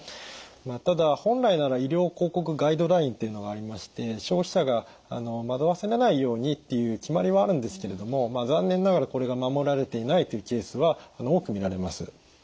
ただ本来なら医療広告ガイドラインっていうのがありまして消費者が惑わされないようにっていう決まりはあるんですけれども残念ながらこれが守られていないというケースは多く見られます。